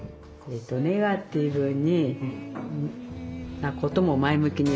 「ネガティブなことも前向きに」